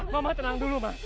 mama tenang dulu ma